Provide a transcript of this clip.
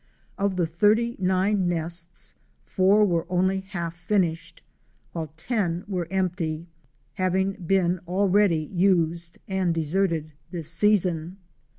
Of the 39 nests, 4 were only half finished, while 10 were empty, having been already used and deserted this season.